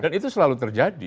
dan itu selalu terjadi